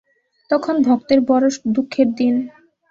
তখন ভক্তের বড়ো দুঃখের দিন।